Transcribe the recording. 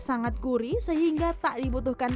sangat gurih sehingga tak dibutuhkan